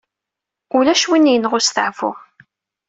Ulac win yenɣa ustaɛfu.